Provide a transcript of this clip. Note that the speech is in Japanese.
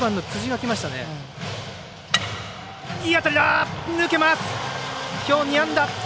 きょう２安打！